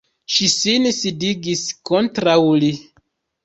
Ŝi sin sidigis kontraŭ li.